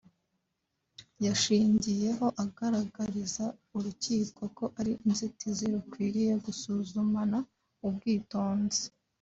yashingiyeho agaragariza urukiko ko ari inzitizi rukwiriye gusuzumana ubwitonzi